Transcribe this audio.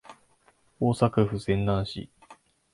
大阪府泉南市